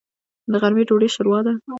د غرمې ډوډۍ شوروا ده.